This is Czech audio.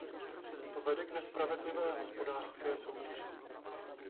To vede k nespravedlivé hospodářské soutěži.